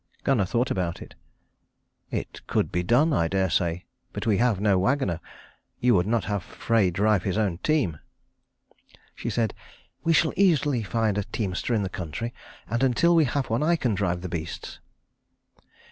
Gunnar thought about it. "It could be done, I dare say. But we have no wagoner. You would not have Frey drive his own team." She said, "We shall easily find a teamster in the country. And until we have one I can drive the beasts."